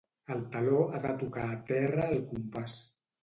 El taló ha de tocar a terra al compàs.